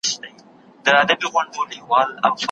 لا په منځ كي به زگېروى كله شپېلكى سو